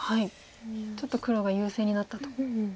ちょっと黒が優勢になったと。